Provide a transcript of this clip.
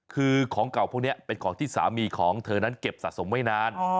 คือของเก่าพวกนี้เป็นของที่สามีของเธอนั้นเก็บสะสมไว้นาน